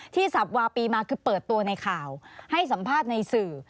สับวาปีมาคือเปิดตัวในข่าวให้สัมภาษณ์ในสื่อ